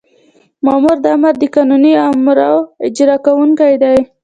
مامور د آمر د قانوني اوامرو اجرا کوونکی دی.